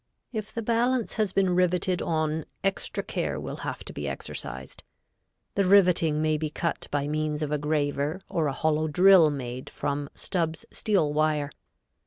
If the balance has been riveted on extra care will have to be exercised. The riveting may be cut by means of a graver, or a hollow drill made from Stubb's steel wire.